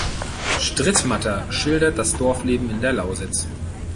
Strittmatter schildert das Dorfleben in der Lausitz.